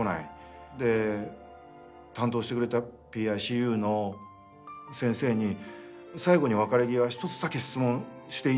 担当してくれたＰＩＣＵの先生に最後に別れ際１つだけ質問していいですか？